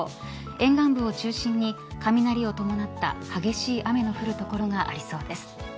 沿岸部を中心に雷を伴った激しい雨の降る所がありそうです。